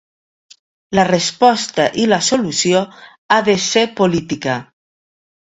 La resposta i la solució ha de ser política.